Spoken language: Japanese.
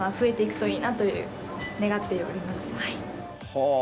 はあ！